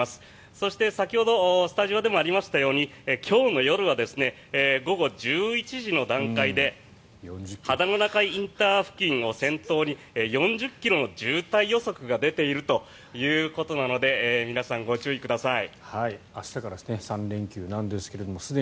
そして、先ほどスタジオでもありましたように今日の夜は午後１１時の段階で秦野中井ＩＣ付近を先頭に４０ｋｍの渋滞予測が出ているということなので皆さん、ご注意ください。